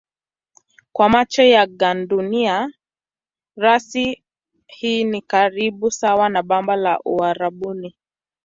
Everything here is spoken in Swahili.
Kwa macho ya gandunia rasi hii ni karibu sawa na bamba la Uarabuni.